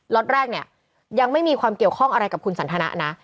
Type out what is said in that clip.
็อตแรกเนี่ยยังไม่มีความเกี่ยวข้องอะไรกับคุณสันทนะ